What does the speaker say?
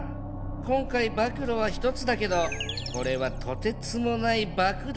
今回暴露は１つだけどこれはとてつもない爆弾